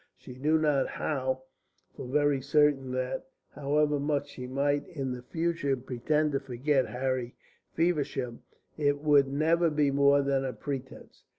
She knew now for very certain that, however much she might in the future pretend to forget Harry Feversham, it would never be more than a pretence.